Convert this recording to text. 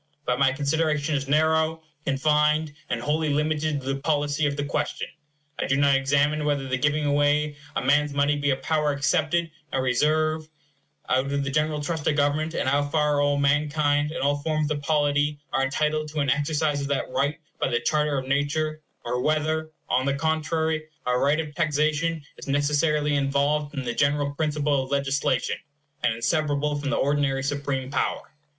But my consideration is narrow, confined, and wholly limited to the policy of the question. I do not examine whether the giving away a man's money be a power excepted and reserved out of the general trust of government, and how far all mankind, in all forms of polity, are entitled to an exercise of that right by the charter of nature; or whether, on the contrary, a right of taxation is necessarily involved in the general principle of legislation, and inseparable from the ordinary supreme power.